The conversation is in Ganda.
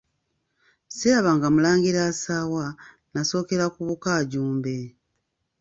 Sirabanga Mulangira asaawa, Nnasookera ku Bukaajumbe.